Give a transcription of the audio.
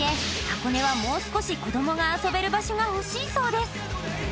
箱根はもう少し子どもが遊べる場所が欲しいそうです